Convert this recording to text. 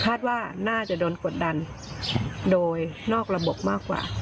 คาดว่าน่าจะโดนกดดันโดยนอกระบบมากกว่า